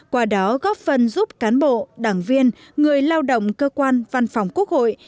qua đó góp phần giúp cán bộ đảng viên người lao động cơ quan văn phòng quốc hội